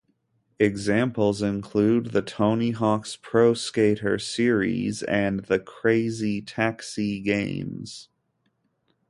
Examples include the "Tony Hawk's Pro Skater" series and the "Crazy Taxi" games.